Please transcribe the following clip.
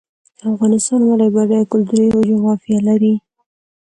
افغانستان ولې بډایه کلتوري جغرافیه لري؟